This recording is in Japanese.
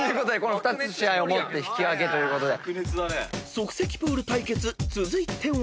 ［即席プール対決続いては］